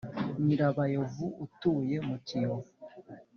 Nyirabayovu utuye muki yovu